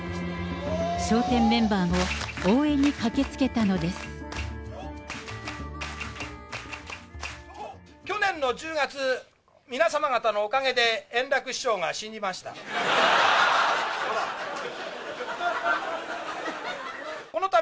笑点メンバーも、応援に駆けつけ去年の１０月、皆様方のおかげで、圓楽師匠が死にました。